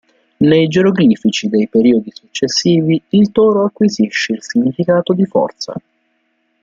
Nei geroglifici dei periodi successivi, il toro acquisisce il significato di "forza".